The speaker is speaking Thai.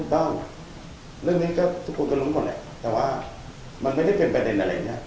ต้องเรื่องนี้ก็ทุกคนก็รู้หมดแหละแต่ว่ามันไม่ได้เป็นประเด็นอะไรอย่างนี้